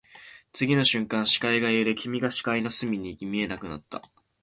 次の瞬間、視界が揺れ、君が視界の隅に行き、見えなくなった